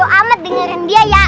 amat dengerin dia ya